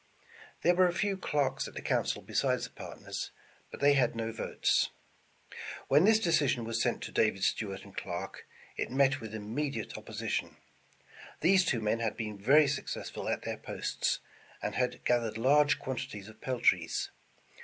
There were a few clerks at the council besides the partners, but they had no votes. When this decision was sent to David Stuart and Clarke, it met with immediate opposition. These two men had been very successful at their posts, and had gathered large quantities of peltries.